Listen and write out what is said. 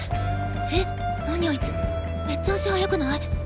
えっなにあいつめっちゃ足速くない？